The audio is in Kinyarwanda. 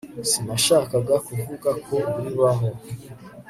sinashakaga kuvuga ko bibaho